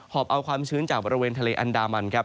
อบเอาความชื้นจากบริเวณทะเลอันดามันครับ